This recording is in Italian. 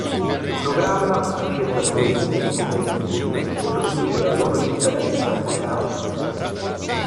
Il programma accetta due numeri come input e produce la loro differenza come output.